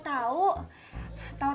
tau tau perut saya mual